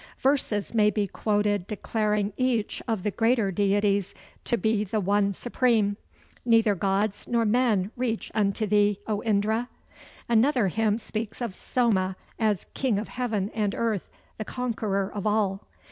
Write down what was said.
Verses may be quoted declaring each of the greater deities to be the One Supreme: "Neither gods nor men reach unto thee, O Indra!" Another hymn speaks of Soma as "king of heaven and earth, the conqueror of all."